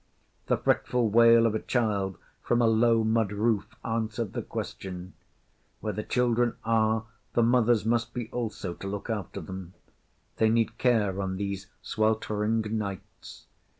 The fretful wail of a child from a low mud roof answered the question. Where the children are the mothers must be also to look after them. They need care on these sweltering nights.